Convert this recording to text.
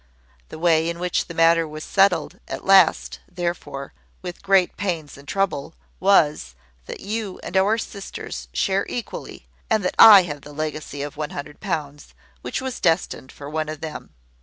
The way in which the matter was settled at last, therefore, with great pains and trouble, was, that you and our sisters share equally, and that I have the legacy of 100 pounds, which was destined for one of them.